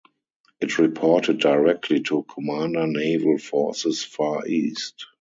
It reported directly to Commander Naval Forces Far East.